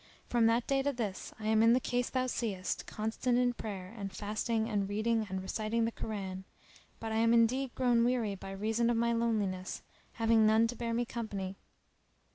From that day to this I am in the case thou seest, constant in prayer and fasting and reading and reciting the Koran; but I am indeed grown weary by reason of my loneliness, having none to bear me company."